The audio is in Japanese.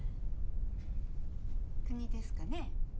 うーん国ですかね。